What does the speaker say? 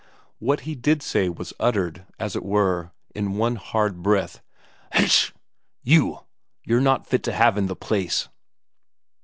What he did say was uttered, as it were, in one hard breath: "Huttch! You you're not fit to have in the place!"